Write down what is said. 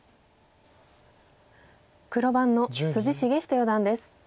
黒番の篤仁四段です。